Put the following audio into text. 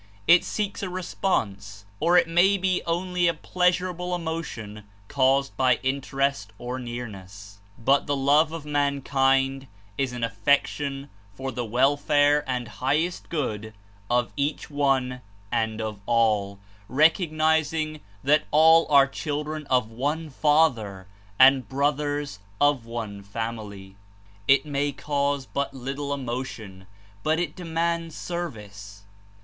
It seeks a response, or it may be only a pleas urable emotion caused by Interest or nearness, but the ^SS love of mankind Is an" affection for the welfare and highest good of each one and of all, recognizing that all are children of one Father and brothers of one family. It may cause but little emotion, but It de mands service.